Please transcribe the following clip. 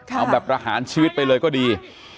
เอาแบบประหารชีวิตไปเลยก็ดี